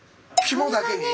肝だけに？